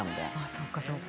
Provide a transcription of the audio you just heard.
そうかそうか。